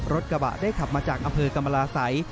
รถกระบะได้ขับมาจากอำเภอกรรมราศัย